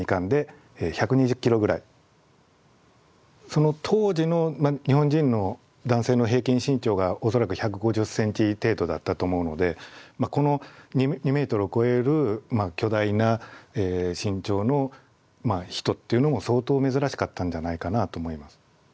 その当時の日本人の男性の平均身長が恐らく１５０センチ程度だったと思うのでこの２メートルを超える巨大な身長の人っていうのも相当珍しかったんじゃないかなあと思います。